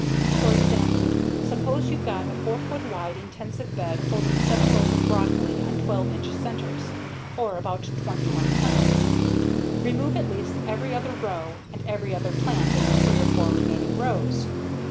For example, suppose you've got a a 4 foot wide intensive bed holding seven rows of broccoli on 12 inch centers, or about 21 plants. Remove at least every other row and every other plant in the three or four remaining rows.